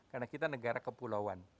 karena kita negara kepulauan